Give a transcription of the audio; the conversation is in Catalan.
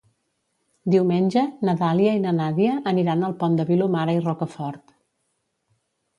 Diumenge na Dàlia i na Nàdia aniran al Pont de Vilomara i Rocafort.